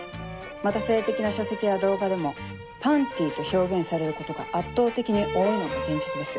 また性的な書籍や動画でも「パンティ」と表現されることが圧倒的に多いのが現実です。